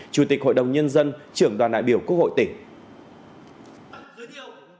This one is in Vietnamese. chủ tịch hội đồng nhân dân trưởng đoàn đại biểu quốc hội tỉnh